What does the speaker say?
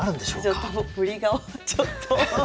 ちょっと振りがもうちょっと。